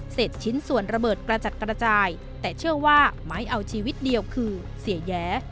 ชิ้นส่วนระเบิดกระจัดกระจายแต่เชื่อว่าไม้เอาชีวิตเดียวคือเสียแย้